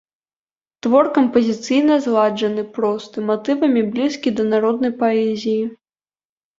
Твор кампазіцыйна зладжаны, просты, матывамі блізкі да народнай паэзіі.